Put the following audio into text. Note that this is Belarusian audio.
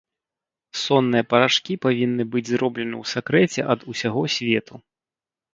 Сонныя парашкі павінны быць зроблены ў сакрэце ад усяго свету.